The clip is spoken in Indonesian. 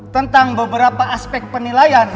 tentang beberapa aspek penilaian